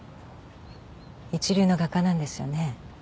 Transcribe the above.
一流の画家なんですよね？